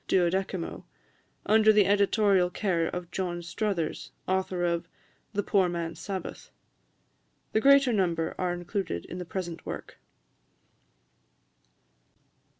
12mo, under the editorial care of John Struthers, author of "The Poor Man's Sabbath." The greater number are included in the present work.